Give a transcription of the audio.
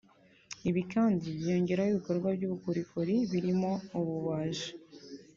Ibi kandi byiyongeraho ibikorwa by’ubukorikori birimo ububaji